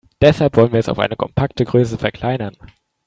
Deshalb wollen wir es auf eine kompakte Größe verkleinern.